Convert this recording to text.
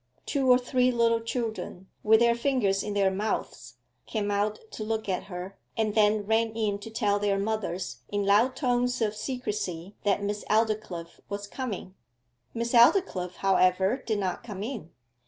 Two or three little children, with their fingers in their mouths, came out to look at her, and then ran in to tell their mothers in loud tones of secrecy that Miss Aldclyffe was coming. Miss Aldclyffe, however, did not come in.